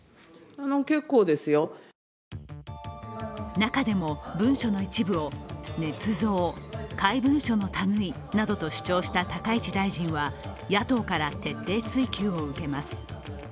中でも、文書の一部をねつ造、怪文書のたぐいなどと主張した高市大臣は野党から徹底追及を受けます。